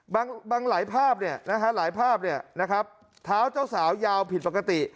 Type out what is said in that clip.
บางหลายภาพเนี่ยนะฮะหลายภาพเนี่ยนะครับเท้าเจ้าสาวยาวผิดปกติ